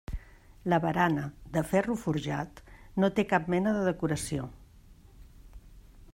La barana, de ferro forjat, no té cap mena de decoració.